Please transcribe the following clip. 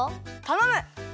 たのむ！